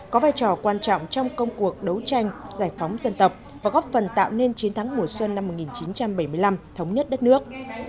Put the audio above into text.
có vai trò quan trọng trong công cuộc đấu tranh giải phóng dân tộc và góp phần tạo nên chiến thắng mùa xuân năm một nghìn chín trăm bảy mươi năm thống nhất đất nước